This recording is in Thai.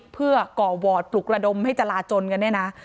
เพื่อก่อวอร์ดปลุกระดมให้จราจนกันเนี่ยนะ